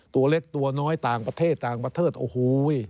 ตัวเล็กตัวน้อยต่างประเทศต่างประเทศโอ้โห